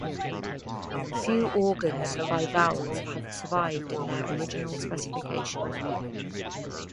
Few organs by Vowles have survived in their original specification.